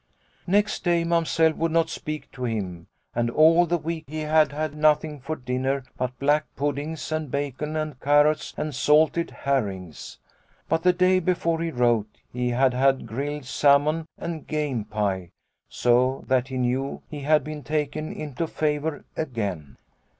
Next day Mamsell would not speak to him, and all the week he had had nothing for dinner but black puddings and bacon or carrots and salted herrings. But the day before he wrote, he had had grilled salmon and game pie, so that he knew he had been taken into favour again.